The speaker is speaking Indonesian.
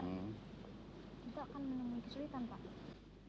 kita akan menemui kesulitan pak